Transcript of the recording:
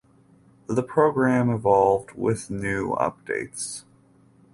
The program evolved with new updates.